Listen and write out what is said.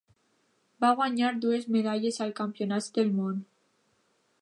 Va guanyar dues medalles als Campionats del Món.